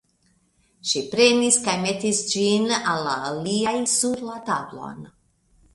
Ŝi prenis kaj metis ĝin al la aliaj sur la tablon.